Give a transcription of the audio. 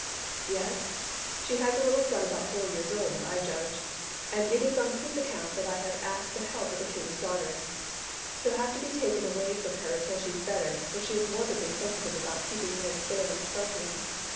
"Yes, she has a little son about four years old, I judge. And it is on his account that I have asked the help of the King's Daughters. He'll have to be taken away from her till she's better, for she is morbidly sensitive about keeping Ned's failings from him.